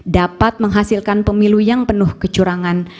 dapat menghasilkan pemilu yang penuh kecurangan